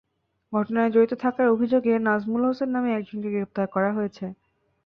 ঘটনায় জড়িত থাকার অভিযোগে নাজমুল হোসেন নামের একজনকে গ্রেপ্তার করা হয়েছে।